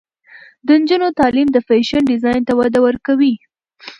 د نجونو تعلیم د فیشن ډیزاین ته وده ورکوي.